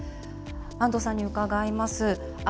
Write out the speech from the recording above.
安藤さんに伺います。